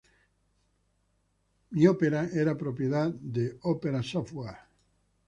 My Opera era propiedad de Opera Software.